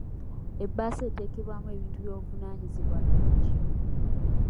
Ebbaasa eteekebwamu ebintu by'obuvunaanyizibwa bingi.